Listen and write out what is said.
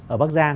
ở bắc giang